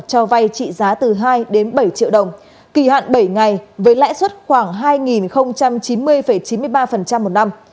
cho vay trị giá từ hai đến bảy triệu đồng kỳ hạn bảy ngày với lãi suất khoảng hai chín mươi chín mươi ba một năm